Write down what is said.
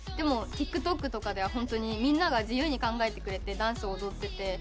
でもＴｉｋＴｏｋとかではホントにみんなが自由に考えてくれてダンスを踊ってて。